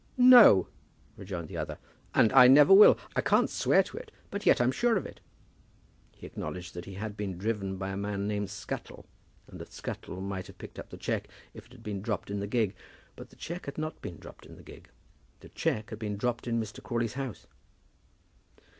"No," rejoined the other; "and I never will. I can't swear to it; but yet I'm sure of it." He acknowledged that he had been driven by a man named Scuttle, and that Scuttle might have picked up the cheque, if it had been dropped in the gig. But the cheque had not been dropped in the gig. The cheque had been dropped in Mr. Crawley's house.